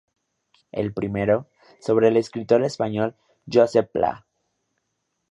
El primero, sobre el escritor español Josep Pla.